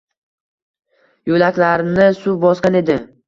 Yoʻlaklarni suv bosgan edi.